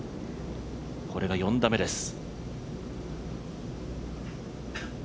これが４打目です。